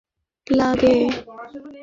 আমি জানি সেও আমাকে ভালোবাসে।